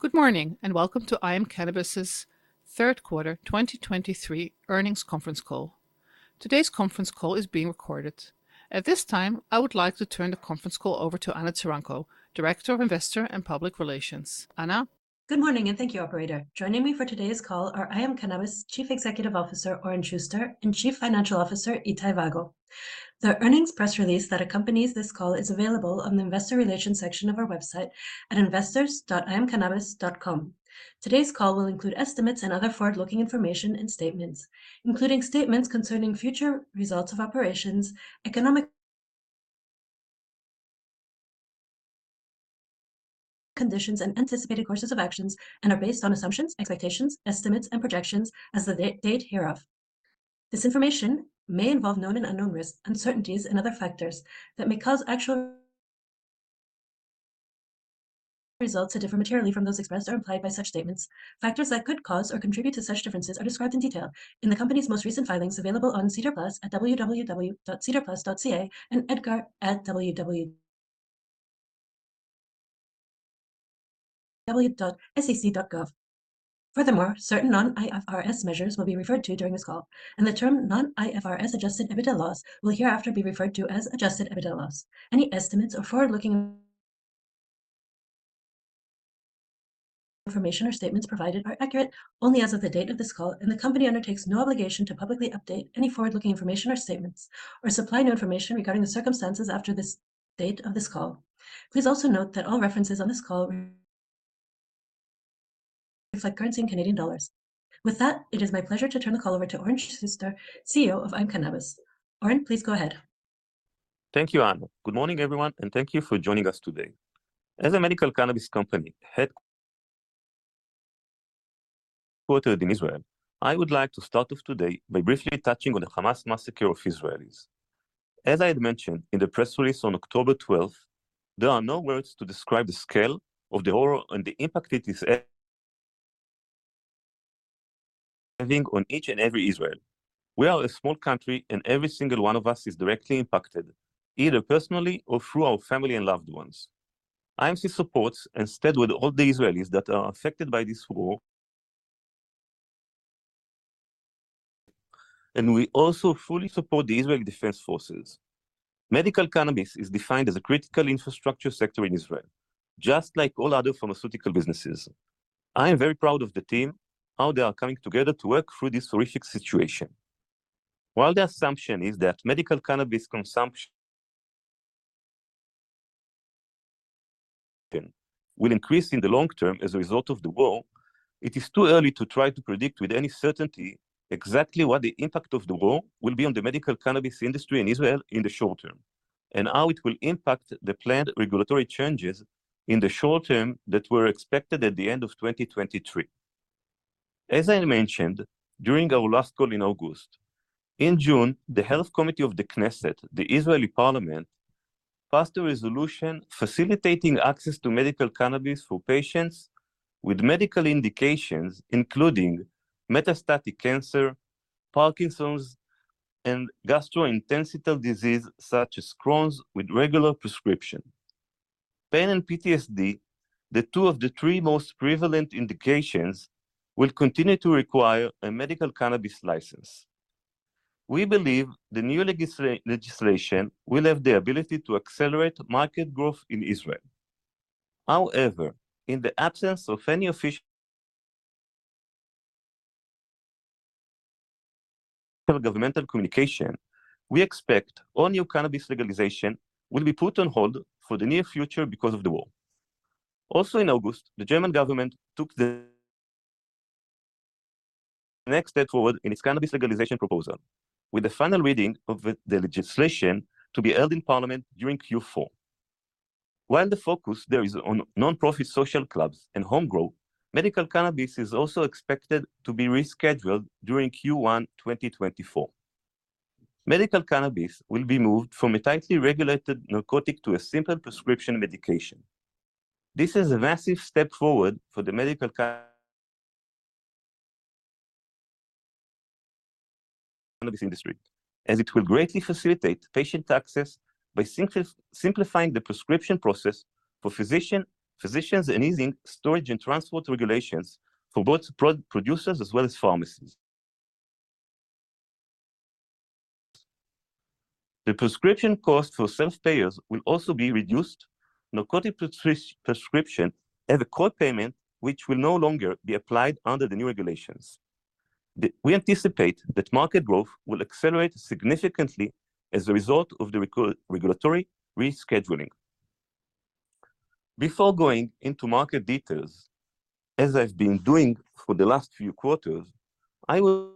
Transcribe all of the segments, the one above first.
Good morning, and welcome to IM Cannabis's third quarter 2023 earnings conference call. Today's conference call is being recorded. At this time, I would like to turn the conference call over to Anna Taranko, Director of Investor and Public Relations. Anna? Good morning, and thank you, operator. Joining me for today's call are IM Cannabis Chief Executive Officer, Oren Shuster, and Chief Financial Officer, Itay Vago. The earnings press release that accompanies this call is available on the investor relations section of our website at investors.imcannabis.com. Today's call will include estimates and other forward-looking information and statements, including statements concerning future results of operations, economic conditions, and anticipated courses of actions, and are based on assumptions, expectations, estimates, and projections as of the date hereof. This information may involve known and unknown risks, uncertainties, and other factors that may cause actual results to differ materially from those expressed or implied by such statements. Factors that could cause or contribute to such differences are described in detail in the company's most recent filings, available on SEDAR+ at www.sedarplus.ca and EDGAR at www.sec.gov. Furthermore, certain non-IFRS measures will be referred to during this call, and the term non-IFRS-adjusted EBITDA loss will hereafter be referred to as adjusted EBITDA loss. Any estimates or forward-looking information or statements provided are accurate only as of the date of this call, and the company undertakes no obligation to publicly update any forward-looking information or statements or supply new information regarding the circumstances after this date of this call. Please also note that all references on this call reflect currency in Canadian dollars. With that, it is my pleasure to turn the call over to Oren Shuster, CEO of IM Cannabis. Oren, please go ahead. Thank you, Anna. Good morning, everyone, and thank you for joining us today. As a medical cannabis company headquartered in Israel, I would like to start off today by briefly touching on the Hamas massacre of Israelis. As I had mentioned in the press release on October 12th, there are no words to describe the scale of the horror and the impact it is having on each and every Israeli. We are a small country, and every single one of us is directly impacted, either personally or through our family and loved ones. IMC supports and stands with all the Israelis that are affected by this war. And we also fully support the Israeli Defense Forces. Medical cannabis is defined as a critical infrastructure sector in Israel, just like all other pharmaceutical businesses. I am very proud of the team, how they are coming together to work through this horrific situation. While the assumption is that medical cannabis consumption will increase in the long term as a result of the war, it is too early to try to predict with any certainty exactly what the impact of the war will be on the medical cannabis industry in Israel in the short term, and how it will impact the planned regulatory changes in the short term that were expected at the end of 2023. As I mentioned during our last call in August, in June, the Health Committee of the Knesset, the Israeli Parliament, passed a resolution facilitating access to medical cannabis for patients with medical indications, including metastatic cancer, Parkinson's, and gastrointestinal disease, such as Crohn's, with regular prescription. Pain and PTSD, the two of the three most prevalent indications, will continue to require a medical cannabis license. We believe the new legislation will have the ability to accelerate market growth in Israel. However, in the absence of any official governmental communication, we expect all new cannabis legalization will be put on hold for the near future because of the war. Also in August, the German government took the next step forward in its cannabis legalization proposal, with a final reading of the legislation to be held in Parliament during Q4. While the focus there is on nonprofit social clubs and home growth, medical cannabis is also expected to be rescheduled during Q1 2024. Medical cannabis will be moved from a tightly regulated narcotic to a simple prescription medication. This is a massive step forward for the medical cannabis industry, as it will greatly facilitate patient access by simplifying the prescription process for physicians, and easing storage and transport regulations for both producers as well as pharmacies. The prescription cost for self-payers will also be reduced. Narcotic prescription have a co-payment, which will no longer be applied under the new regulations. We anticipate that market growth will accelerate significantly as a result of the regulatory rescheduling. Before going into market details, as I've been doing for the last few quarters, I will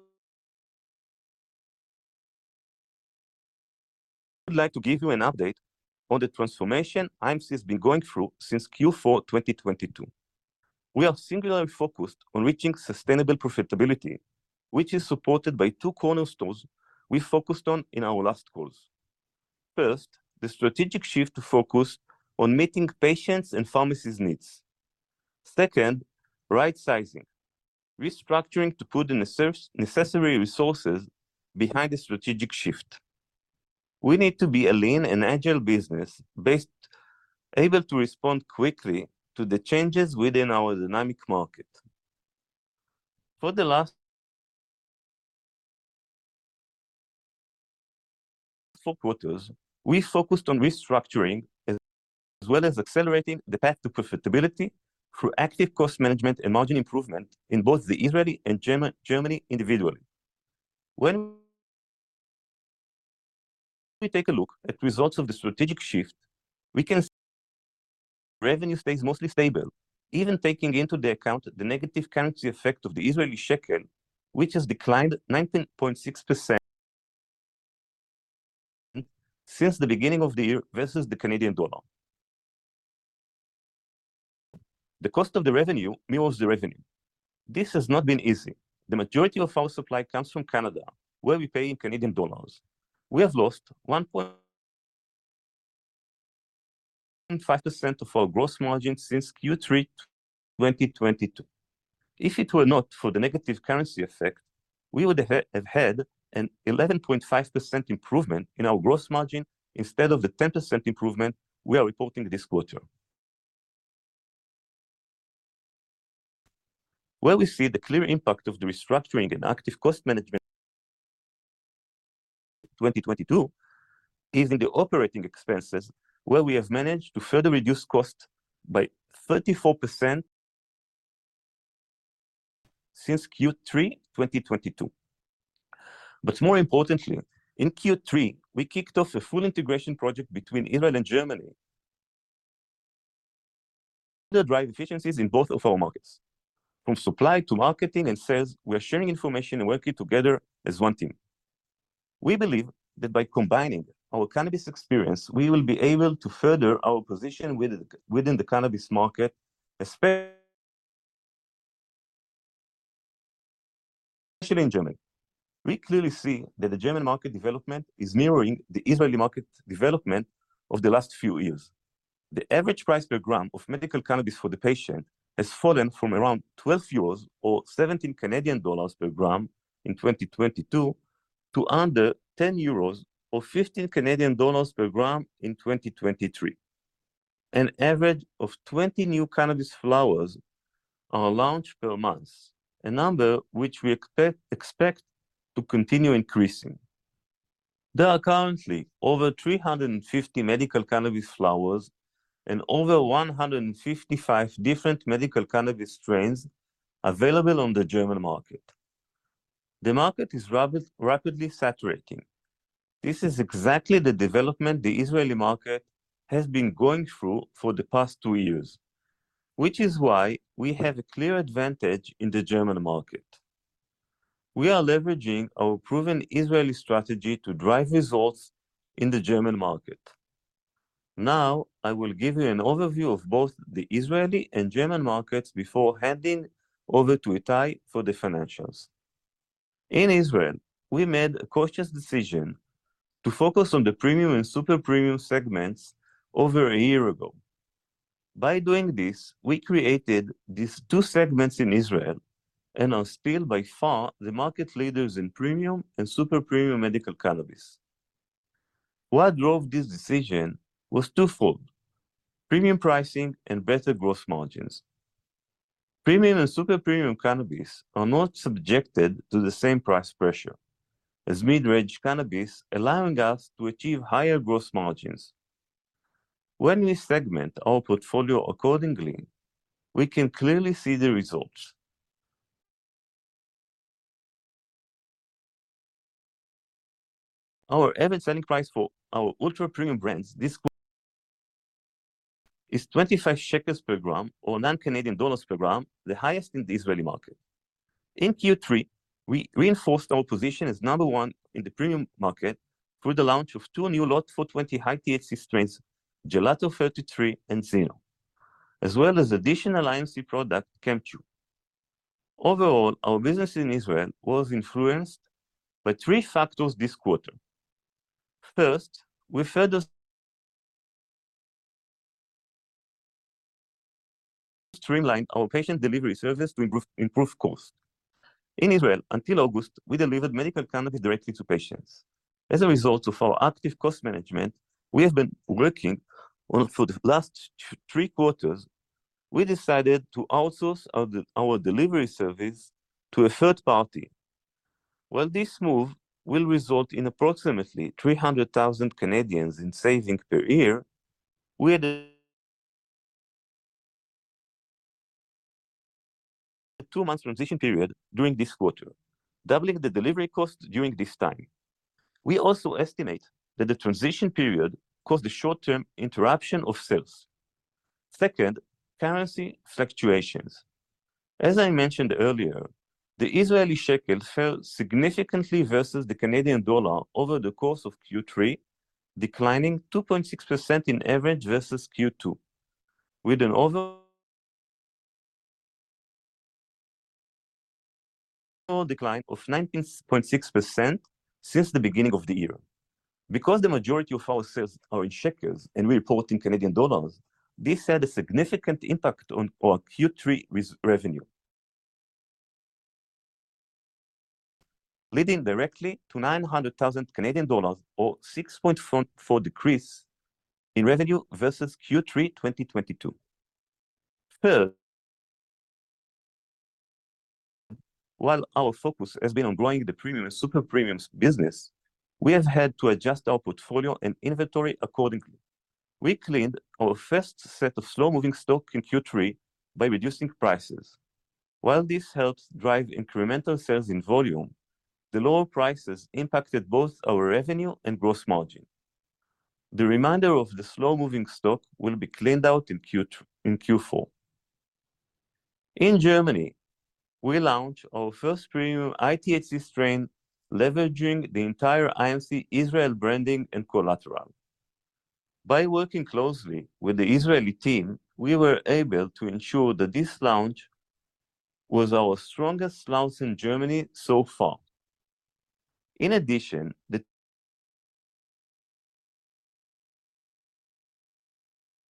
like to give you an update on the transformation IMC has been going through since Q4, 2022. We are singularly focused on reaching sustainable profitability, which is supported by two cornerstones we focused on in our last calls. First, the strategic shift to focus on meeting patients' and pharmacists' needs. Second, right-sizing. Restructuring to put the necessary resources behind the strategic shift. We need to be a lean and agile business, able to respond quickly to the changes within our dynamic market. For the last four quarters, we focused on restructuring, as well as accelerating the path to profitability through active cost management and margin improvement in both the Israeli and German, Germany individually. When we take a look at results of the strategic shift, we can. Revenue stays mostly stable, even taking into account the negative currency effect of the Israeli shekel, which has declined 19.6% since the beginning of the year versus the Canadian dollar. The cost of the revenue mirrors the revenue. This has not been easy. The majority of our supply comes from Canada, where we pay in Canadian dollars. We have lost 1.5% of our gross margin since Q3 2022. If it were not for the negative currency effect, we would have had an 11.5% improvement in our gross margin instead of the 10% improvement we are reporting this quarter. Where we see the clear impact of the restructuring and active cost management 2022, is in the operating expenses, where we have managed to further reduce costs by 34% since Q3 2022. But more importantly, in Q3, we kicked off a full integration project between Israel and Germany. To drive efficiencies in both of our markets, from supply to marketing and sales, we are sharing information and working together as one team. We believe that by combining our cannabis experience, we will be able to further our position within the cannabis market, especially in Germany. We clearly see that the German market development is mirroring the Israeli market development of the last few years. The average price per gram of medical cannabis for the patient has fallen from around 12 euros or 17 Canadian dollars per gram in 2022 to under 10 euros or 15 Canadian dollars per gram in 2023. An average of 20 new cannabis flowers are launched per month, a number which we expect to continue increasing. There are currently over 350 medical cannabis flowers and over 155 different medical cannabis strains available on the German market. The market is rapidly saturating. This is exactly the development the Israeli market has been going through for the past 2 years, which is why we have a clear advantage in the German market. We are leveraging our proven Israeli strategy to drive results in the German market. Now, I will give you an overview of both the Israeli and German markets before handing over to Itay for the financials. In Israel, we made a conscious decision to focus on the premium and super premium segments over a year ago. By doing this, we created these two segments in Israel and are still by far the market leaders in premium and super premium medical cannabis. What drove this decision was twofold: premium pricing and better gross margins. Premium and super premium cannabis are not subjected to the same price pressure as mid-range cannabis, allowing us to achieve higher gross margins. When we segment our portfolio accordingly, we can clearly see the results. Our average selling price for our ultra premium brands this quarter is 25 shekels per gram or CAD 9 per gram, the highest in the Israeli market. In Q3, we reinforced our position as number one in the premium market through the launch of 2 new LOT420 high THC strains, Gelato 33 and Xeno, as well as additional IMC product, Chemgu. Overall, our business in Israel was influenced by 3 factors this quarter. First, we further streamlined our patient delivery service to improve cost. In Israel, until August, we delivered medical cannabis directly to patients. As a result of our active cost management, we have been working on for the last 3 quarters, we decided to outsource our delivery service to a third party. While this move will result in approximately 300,000 in savings per year, we had a 2-month transition period during this quarter, doubling the delivery cost during this time. We also estimate that the transition period caused a short-term interruption of sales. Second, currency fluctuations. As I mentioned earlier, the Israeli shekel fell significantly versus the Canadian dollar over the course of Q3, declining 2.6% on average versus Q2, with an overall decline of 19.6% since the beginning of the year. Because the majority of our sales are in shekels and we report in Canadian dollars, this had a significant impact on our Q3 revenue, leading directly to 900,000 Canadian dollars, or 6.44% decrease in revenue versus Q3 2022. Third, while our focus has been on growing the premium and super premium business, we have had to adjust our portfolio and inventory accordingly. We cleaned our first set of slow-moving stock in Q3 by reducing prices. While this helps drive incremental sales in volume, the lower prices impacted both our revenue and gross margin. The remainder of the slow-moving stock will be cleaned out in Q4. In Germany, we launched our first premium high-THC strain, leveraging the entire IMC Israel branding and collateral. By working closely with the Israeli team, we were able to ensure that this launch was our strongest launch in Germany so far. In addition, the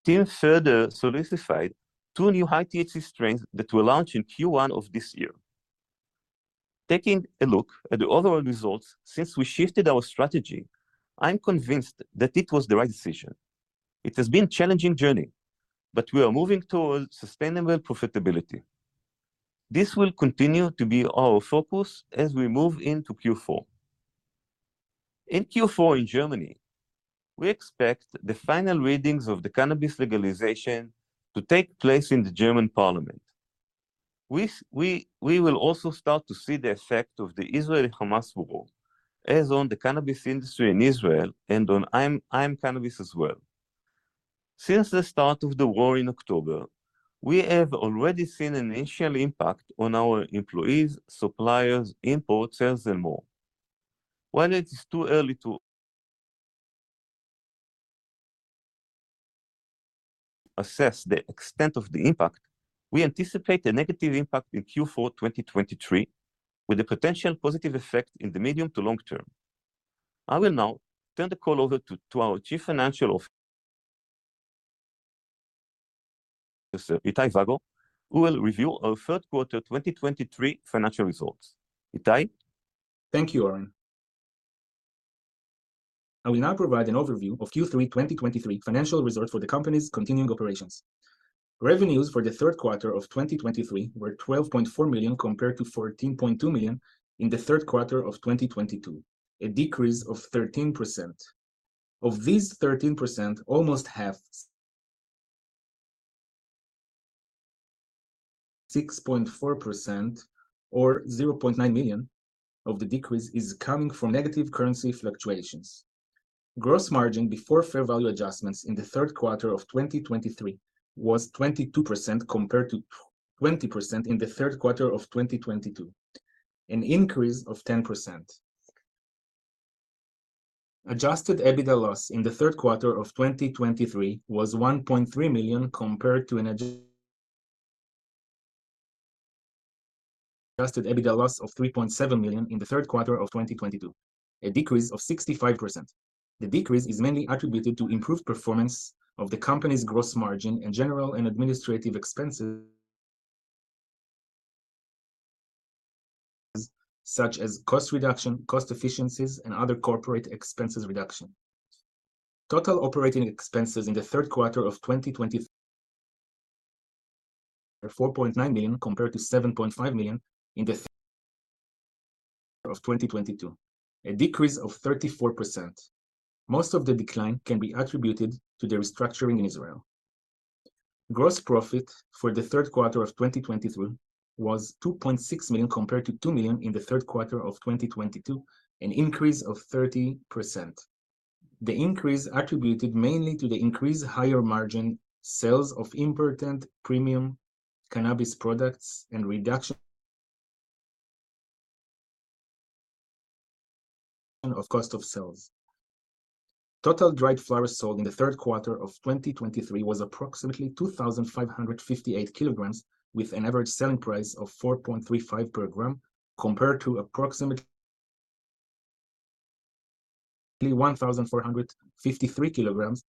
team further solidified two new high-THC strains that will launch in Q1 of this year. Taking a look at all our results since we shifted our strategy, I'm convinced that it was the right decision. It has been a challenging journey, but we are moving towards sustainable profitability. This will continue to be our focus as we move into Q4. In Q4, in Germany, we expect the final readings of the cannabis legalization to take place in the German Parliament. We will also start to see the effect of the Israeli-Hamas war on the cannabis industry in Israel and on IM Cannabis as well. Since the start of the war in October, we have already seen an initial impact on our employees, suppliers, imports, sales, and more. While it is too early to assess the extent of the impact, we anticipate a negative impact in Q4 2023, with a potential positive effect in the medium to long term. I will now turn the call over to our Chief Financial Officer, Itay Vago, who will review our third quarter 2023 financial results. Itay? Thank you, Oren. I will now provide an overview of Q3 2023 financial results for the company's continuing operations. Revenues for the third quarter of 2023 were 12.4 million, compared to 14.2 million in the third quarter of 2022, a decrease of 13%. Of these 13%, almost half, 6.4% or 0.9 million of the decrease, is coming from negative currency fluctuations. Gross margin before fair value adjustments in the third quarter of 2023 was 22%, compared to 20% in the third quarter of 2022, an increase of 10%. Adjusted EBITDA loss in the third quarter of 2023 was 1.3 million, compared to an adjusted EBITDA loss of 3.7 million in the third quarter of 2022, a decrease of 65%. The decrease is mainly attributed to improved performance of the company's gross margin and general and administrative expenses, such as cost reduction, cost efficiencies, and other corporate expenses reduction. Total operating expenses in the third quarter of 2023 were 4.9 million, compared to 7.5 million in the third quarter of 2022, a decrease of 34%. Most of the decline can be attributed to the restructuring in Israel. Gross profit for the third quarter of 2023 was 2.6 million, compared to 2 million in the third quarter of 2022, an increase of 30%. The increase is attributed mainly to the increased higher margin sales of important premium cannabis products and reduction of cost of sales. Total dried flowers sold in the third quarter of 2023 was approximately 2,558 kilograms, with an average selling price of 4.35 per gram, compared to approximately 1,453 kilograms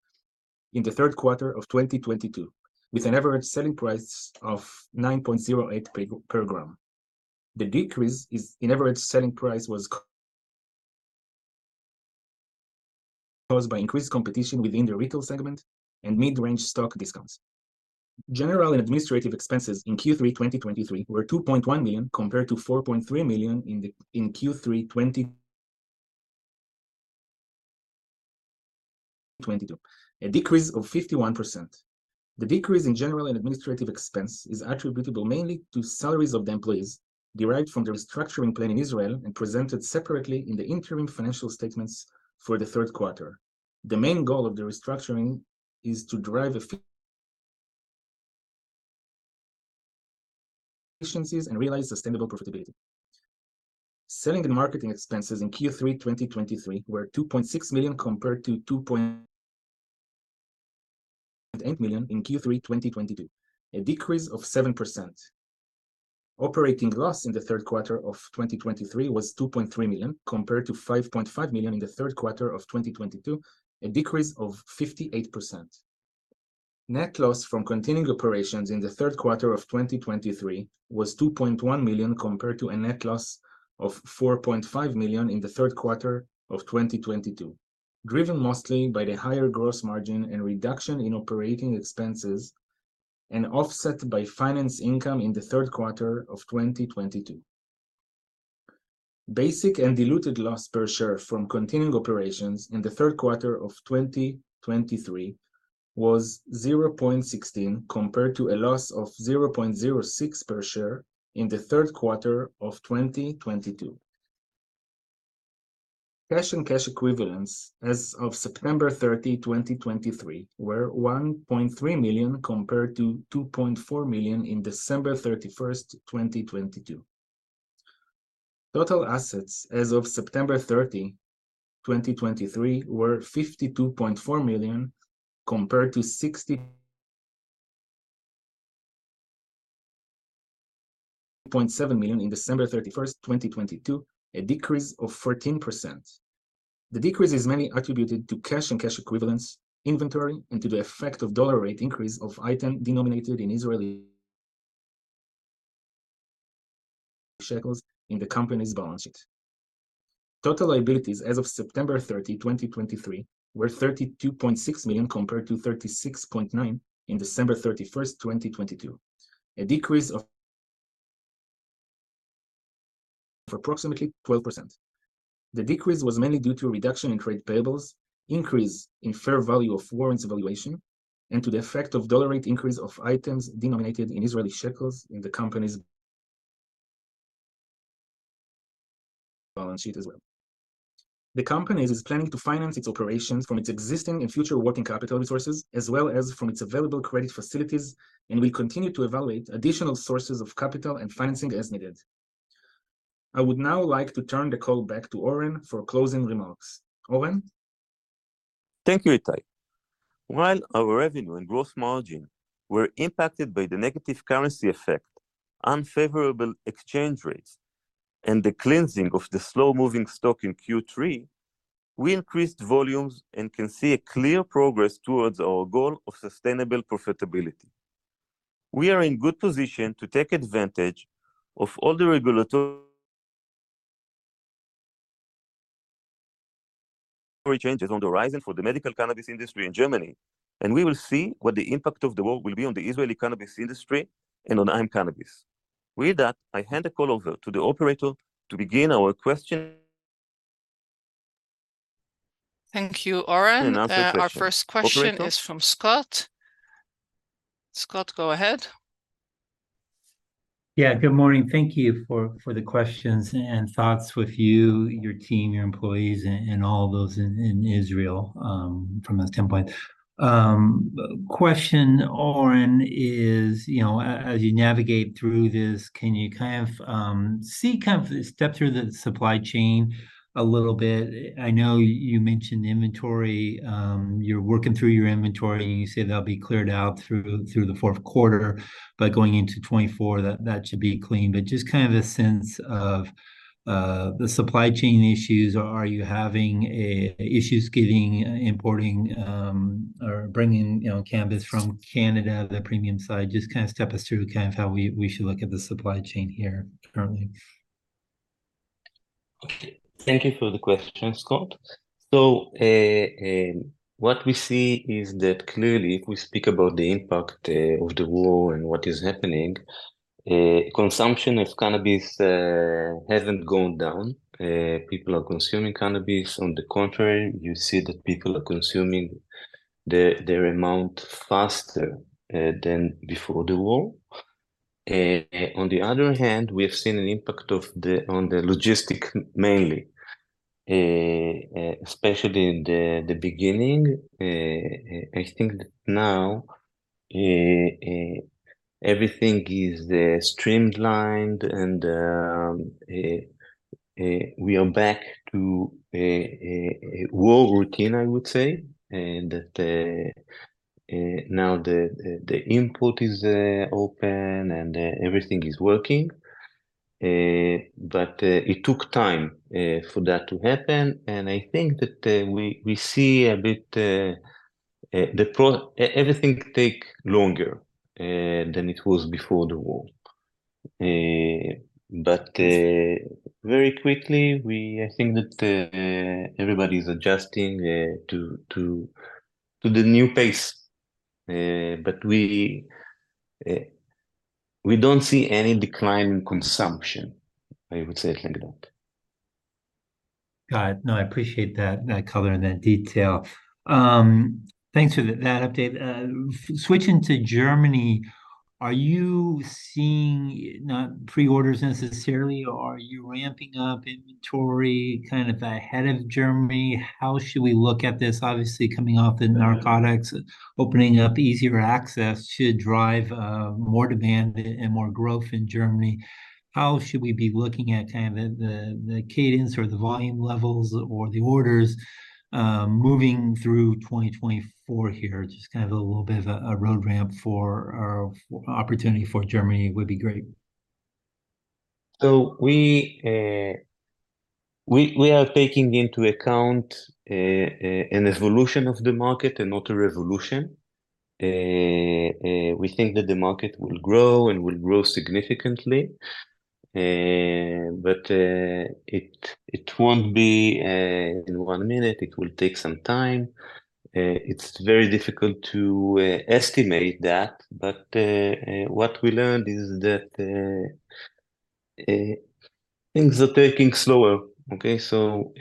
in the third quarter of 2022, with an average selling price of 9.08 per gram. The decrease is in average selling price was caused by increased competition within the retail segment and mid-range stock discounts. General and administrative expenses in Q3 2023 were 2.1 million, compared to 4.3 million in Q3 2022, a decrease of 51%. The decrease in general and administrative expense is attributable mainly to salaries of the employees derived from the restructuring plan in Israel and presented separately in the interim financial statements for the third quarter. The main goal of the restructuring is to drive efficiencies and realize sustainable profitability. Selling and marketing expenses in Q3 2023 were 2.6 million, compared to 2.8 million in Q3 2022, a decrease of 7%. Operating loss in the third quarter of 2023 was 2.3 million, compared to 5.5 million in the third quarter of 2022, a decrease of 58%. Net loss from continuing operations in the third quarter of 2023 was 2.1 million, compared to a net loss of 4.5 million in the third quarter of 2022, driven mostly by the higher gross margin and reduction in operating expenses, and offset by finance income in the third quarter of 2022. Basic and diluted loss per share from continuing operations in the third quarter of 2023 was 0.16, compared to a loss of 0.06 per share in the third quarter of 2022. Cash and cash equivalents as of September 30, 2023, were 1.3 million, compared to 2.4 million in December 31, 2022. Total assets as of September 30, 2023, were 52.4 million, compared to 60.7 million in December 31, 2022, a decrease of 14%. The decrease is mainly attributed to cash and cash equivalents, inventory, and to the effect of dollar rate increase of item denominated in Israeli shekels in the company's balance sheet. Total liabilities as of September 30, 2023, were 32.6 million, compared to 36.9 million in December 31, 2022, a decrease of approximately 12%. The decrease was mainly due to a reduction in trade payables, increase in fair value of warrants valuation, and to the effect of dollar rate increase of items denominated in Israeli shekels in the company's balance sheet as well. The company is planning to finance its operations from its existing and future working capital resources, as well as from its available credit facilities, and we continue to evaluate additional sources of capital and financing as needed. I would now like to turn the call back to Oren for closing remarks. Oren? Thank you, Itay. While our revenue and growth margin were impacted by the negative currency effect, unfavorable exchange rates, and the cleansing of the slow-moving stock in Q3, we increased volumes and can see a clear progress towards our goal of sustainable profitability. We are in good position to take advantage of all the regulatory changes on the horizon for the medical cannabis industry in Germany, and we will see what the impact of the war will be on the Israeli cannabis industry and on IM Cannabis. With that, I hand the call over to the operator to begin our question. Thank you, Oren. You can ask your question. Our first question- Operator? is from Scott. Scott, go ahead. Yeah, good morning. Thank you for the questions and thoughts with you, your team, your employees, and all those in Israel from this standpoint. Question, Oren, is, you know, as you navigate through this, can you kind of see, kind of step through the supply chain a little bit? I know you mentioned inventory. You're working through your inventory, and you say that'll be cleared out through the fourth quarter, but going into 2024, that should be clean. But just kind of a sense of the supply chain issues. Are you having issues getting, importing, or bringing, you know, cannabis from Canada, the premium side? Just kind of step us through kind of how we should look at the supply chain here currently. Okay, thank you for the question, Scott. So, what we see is that clearly, if we speak about the impact of the war and what is happening, consumption of cannabis hasn't gone down. People are consuming cannabis. On the contrary, you see that people are consuming their amount faster than before the war. On the other hand, we have seen an impact on the logistics, mainly, especially in the beginning. I think that now, everything is streamlined, and we are back to a war routine, I would say. And that, now the input is open and everything is working. But it took time for that to happen, and I think that we see a bit everything take longer than it was before the war. But very quickly, I think that everybody is adjusting to the new pace. But we don't see any decline in consumption, I would say it like that. Got it. No, I appreciate that, that color and that detail. Thanks for that update. Switching to Germany, are you seeing, not pre-orders necessarily, are you ramping up inventory kind of ahead of Germany? How should we look at this? Obviously, coming off the narcotics, opening up easier access should drive more demand and more growth in Germany. How should we be looking at kind of the cadence or the volume levels or the orders, moving through 2024 here? Just kind of a little bit of a roadmap for our opportunity for Germany would be great. So we are taking into account an evolution of the market and not a revolution. We think that the market will grow and will grow significantly, but it won't be in one minute, it will take some time. It's very difficult to estimate that, but what we learned is that things are taking slower. Okay, so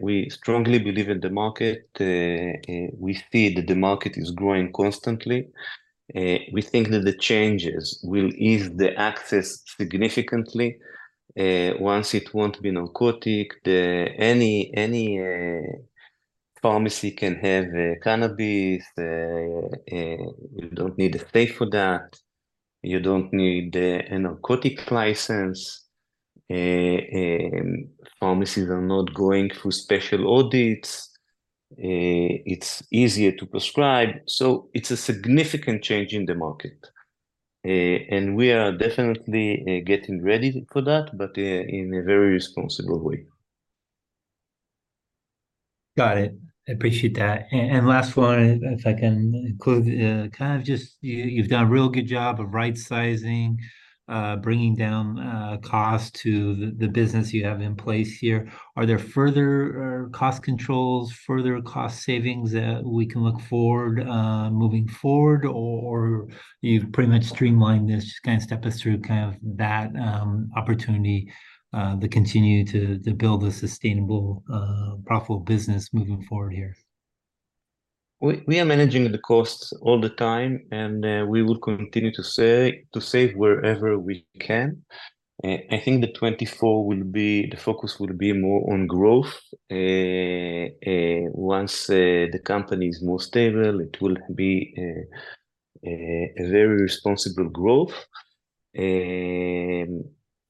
we strongly believe in the market. We see that the market is growing constantly, we think that the changes will ease the access significantly. Once it won't be narcotic, any pharmacy can have cannabis. You don't need to pay for that, you don't need a narcotic license. Pharmacies are not going through special audits, it's easier to prescribe. So it's a significant change in the market, and we are definitely getting ready for that, but in a very responsible way. Got it. I appreciate that. And last one, if I can include, kind of just... You've done a real good job of right sizing, bringing down cost to the business you have in place here. Are there further cost controls, further cost savings that we can look forward moving forward, or you've pretty much streamlined this? Just kind of step us through kind of that opportunity to continue to build a sustainable profitable business moving forward here. We are managing the costs all the time, and we will continue to save wherever we can. I think 2024 will be the focus will be more on growth. Once the company is more stable, it will be a very responsible growth.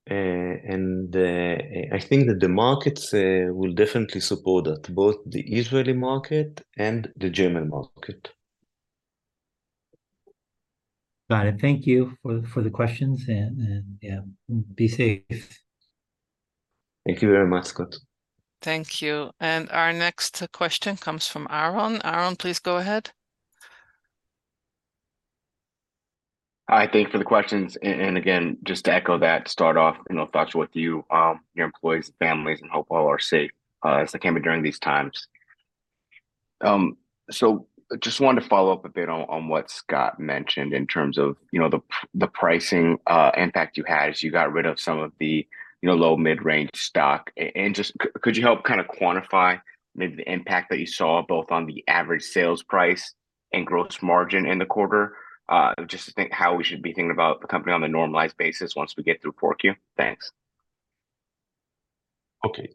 I think that the markets will definitely support that, both the Israeli market and the German market. Got it. Thank you for the questions, and yeah, be safe. Thank you very much, Scott. Thank you. Our next question comes from Aaron. Aaron, please go ahead. Hi, thank you for the questions. And again, just to echo that, to start off, you know, thoughts with you, your employees, families, and hope all are safe, as they can be during these times. So just wanted to follow up a bit on what Scott mentioned in terms of, you know, the pricing impact you had as you got rid of some of the, you know, low, mid-range stock. And just could you help kind of quantify maybe the impact that you saw, both on the average sales price and gross margin in the quarter? Just to think how we should be thinking about the company on a normalized basis once we get through Q4. Thanks. Okay.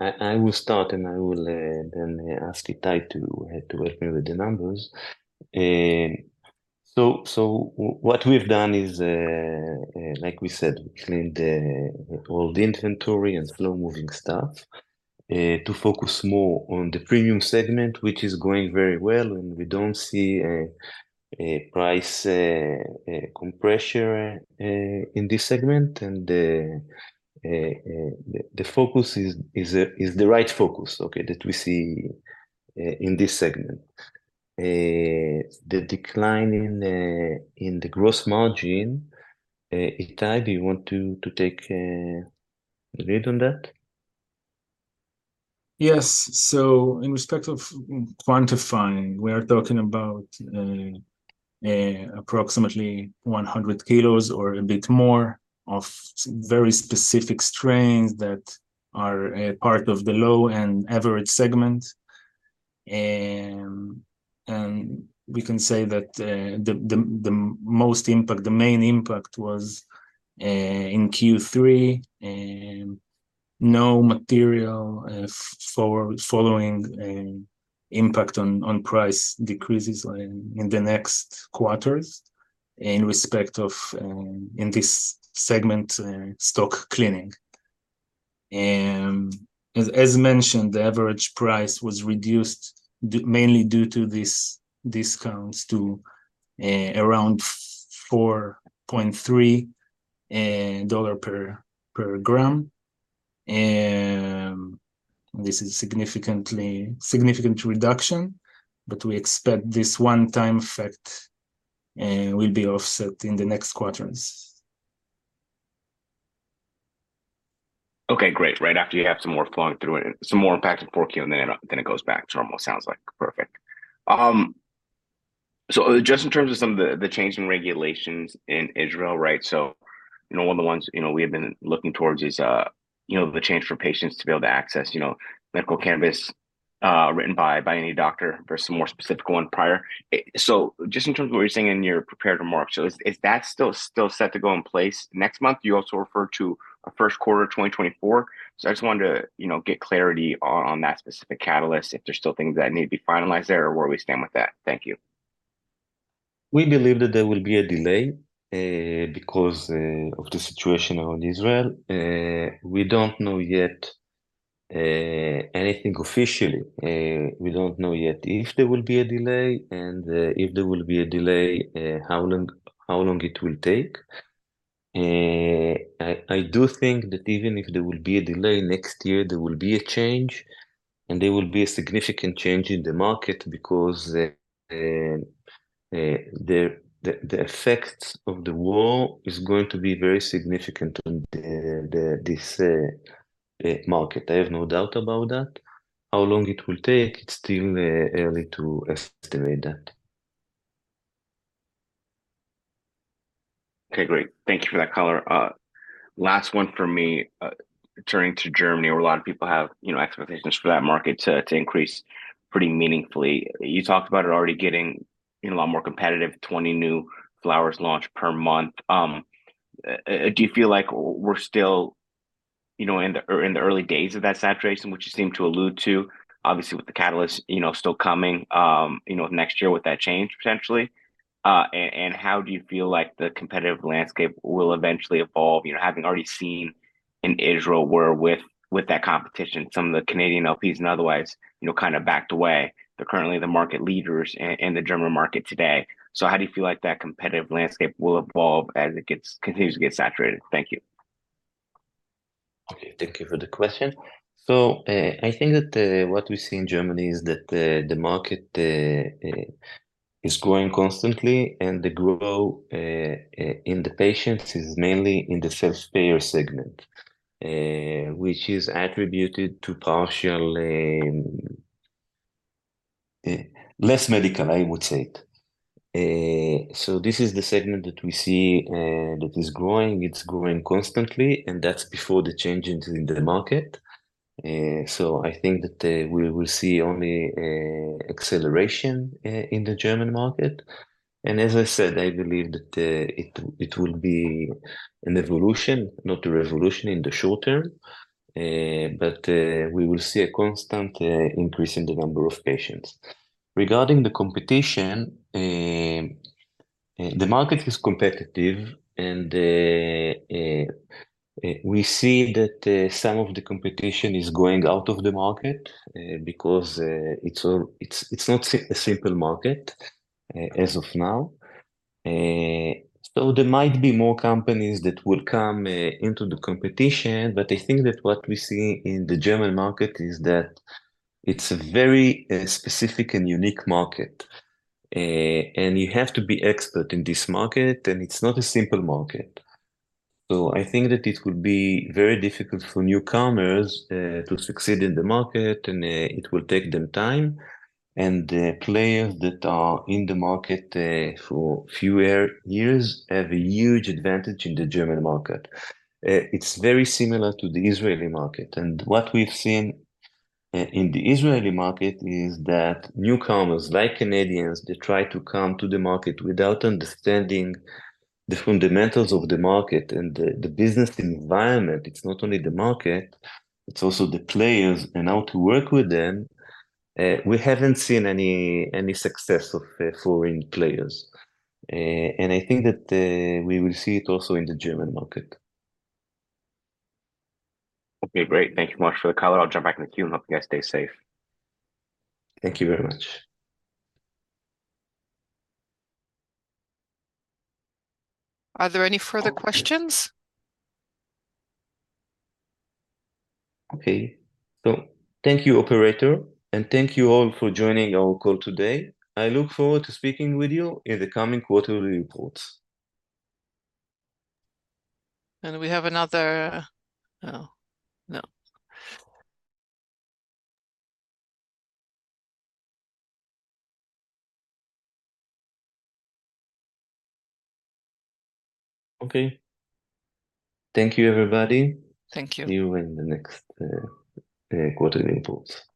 I will start, and I will then ask Itay to help me with the numbers. So, what we've done is, like we said, we cleaned the old inventory and slow-moving stuff to focus more on the premium segment, which is going very well, and we don't see a price compression in this segment. And the focus is the right focus, okay, that we see in this segment. The decline in the gross margin, Itay, do you want to take lead on that? Yes. In respect of quantifying, we are talking about approximately 100 kilos or a bit more of very specific strains that are a part of the low and average segment. And we can say that the most impact, the main impact was in Q3, no material following impact on price decreases in the next quarters in respect of in this segment stock cleaning. And as mentioned, the average price was reduced mainly due to these discounts to around 4.3 dollar per gram. And this is a significant reduction, but we expect this one-time effect will be offset in the next quarters. Okay, great. Right after you have some more flowing through and some more impact in Q4, and then it, then it goes back to normal, sounds like. Perfect. So just in terms of some of the, the change in regulations in Israel, right? So, you know, one of the ones, you know, we have been looking towards is, you know, the change for patients to be able to access, you know, medical cannabis, written by, by any doctor versus a more specific one prior. So just in terms of what you're saying in your prepared remarks, so is, is that still, still set to go in place next month? You also referred to a first quarter, 2024. I just wanted to, you know, get clarity on that specific catalyst, if there's still things that need to be finalized there, or where we stand with that. Thank you. We believe that there will be a delay, because of the situation around Israel. We don't know yet- anything officially. We don't know yet if there will be a delay, and, if there will be a delay, how long, how long it will take. I do think that even if there will be a delay next year, there will be a change, and there will be a significant change in the market because the effects of the war is going to be very significant on this market. I have no doubt about that. How long it will take, it's still early to estimate that. Okay, great. Thank you for that color. Last one for me, turning to Germany, where a lot of people have, you know, expectations for that market to increase pretty meaningfully. You talked about it already getting, you know, a lot more competitive, 20 new flowers launched per month. Do you feel like we're still, you know, in the early days of that saturation, which you seem to allude to, obviously, with the catalyst, you know, still coming next year with that change potentially? And how do you feel like the competitive landscape will eventually evolve, you know, having already seen in Israel where with that competition, some of the Canadian LPs and otherwise, you know, kind of backed away? They're currently the market leaders in the German market today. How do you feel like that competitive landscape will evolve as it gets... continues to get saturated? Thank you. Okay, thank you for the question. So, I think that what we see in Germany is that the market is growing constantly, and the growth in the patients is mainly in the self-payer segment, which is attributed to partially less medical, I would say. So this is the segment that we see that is growing. It's growing constantly, and that's before the changes in the market. So I think that we will see only acceleration in the German market. And as I said, I believe that it will be an evolution, not a revolution, in the short term. But we will see a constant increase in the number of patients. Regarding the competition, the market is competitive, and we see that some of the competition is going out of the market because it's not a simple market as of now. So there might be more companies that will come into the competition, but I think that what we see in the German market is that it's a very specific and unique market. And you have to be expert in this market, and it's not a simple market. So I think that it will be very difficult for newcomers to succeed in the market, and it will take them time. And the players that are in the market for fewer years have a huge advantage in the German market. It's very similar to the Israeli market, and what we've seen in the Israeli market is that newcomers, like Canadians, they try to come to the market without understanding the fundamentals of the market and the business environment. It's not only the market, it's also the players and how to work with them. We haven't seen any success of foreign players, and I think that we will see it also in the German market. Okay, great. Thank you much for the color. I'll jump back in the queue, and hope you guys stay safe. Thank you very much. Are there any further questions? Okay. So thank you, operator, and thank you all for joining our call today. I look forward to speaking with you in the coming quarterly reports. Do we have another... Oh, no. Okay. Thank you, everybody. Thank you. See you in the next quarterly reports.